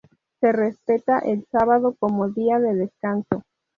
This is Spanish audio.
Se respeta el sábado como día de descanso.